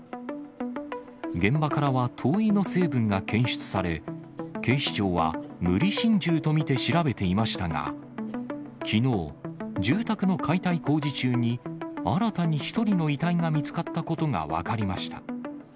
現場からは灯油の成分が検出され、警視庁は無理心中と見て調べていましたが、きのう、住宅の解体工事中に、新たに１人の遺体が見つかったことが分かりました。